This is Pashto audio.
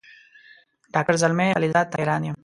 ډاکټر زلمي خلیلزاد ته حیران یم.